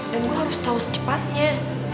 dan gue harus tau setepatnya